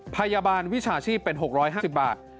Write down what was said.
พยาบาลวิชาชีพเป็น๖๕๐บาท